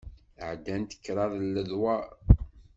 Ɛeddant kraḍ n ledwaṛ.